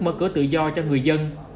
mở cửa tự do cho người dân